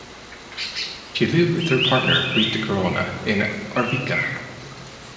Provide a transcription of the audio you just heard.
She lived with her partner Brita Crona in Arvika.